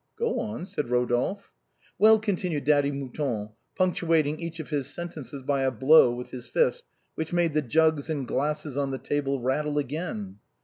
" Go on," said Eodolphe. " Well," continued Daddy Mouton, punctuating each of his sentences by a blow with his first which made the jugs and glasses on the table rattle again.